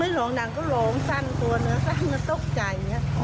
ไม่ร้องดังก็โหลงสั้นตัวนั้นสั้นมาตกใจ